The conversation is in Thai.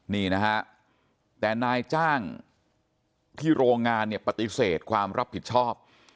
นี่นะฮะแต่นายจ้างที่โรงงานเนี่ยปฏิเสธความรับผิดชอบ